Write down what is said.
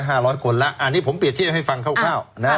น่ะห้าร้อยคนละอ่านี้ผมเปรียบเทียบให้ฟังคร่าวคร่าวอ่า